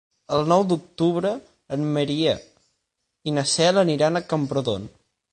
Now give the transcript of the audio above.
El nou d'octubre en Maria i na Cel aniran a Camprodon.